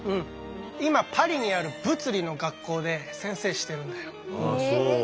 今パリにある物理の学校で先生してるんだよ。